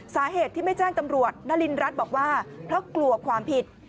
สาเหตุที่ไม่แจ้งตำรวจนารินรัฐบอกว่าเพราะกลัวความผิด